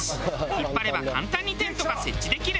引っ張れば簡単にテントが設置できる。